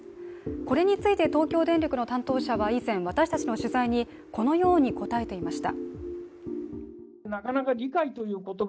これについて東京電力の担当者は以前、私たちの取材に、このように答えていました。